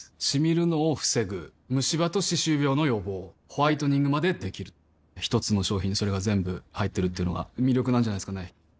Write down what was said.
シミるのを防ぐムシ歯と歯周病の予防ホワイトニングまで出来る一つの商品にそれが全部入ってるっていうのが魅力なんじゃないですかね